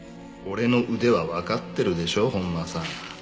俺の腕はわかってるでしょ本間さん。